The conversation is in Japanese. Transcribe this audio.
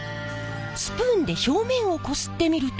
スプーンで表面をこすってみると。